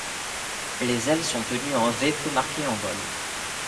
Les ailes sont tenues en V peu marqué en vol.